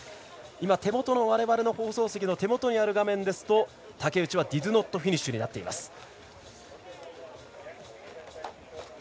今、手元のわれわれの画面ですと竹内はディドゥノットフィニッシュになっています。